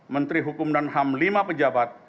menteri hukum dan ham lima pejabat